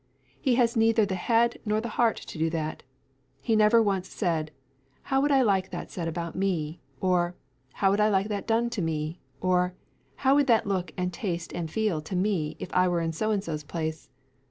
He has neither the head nor the heart to do that. He never once said, How would I like that said about me? or, How would I like that done to me? or, How would that look and taste and feel to me if I were in So and so's place?